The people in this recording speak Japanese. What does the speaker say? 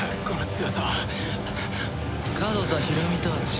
この強さは。